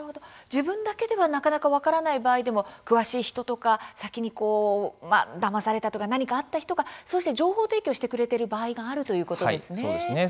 自分だけではなかなか分からない場合でも詳しい人とか先にだまされたとか何かあった人がそうして情報提供してくれている場合があるということですね。